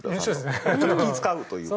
ちょっと気ぃ使うというか。